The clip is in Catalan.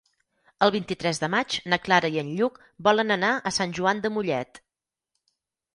El vint-i-tres de maig na Clara i en Lluc volen anar a Sant Joan de Mollet.